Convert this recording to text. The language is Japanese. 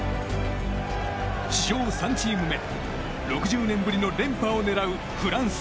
史上３チーム目、６０年ぶりの連覇を狙うフランス。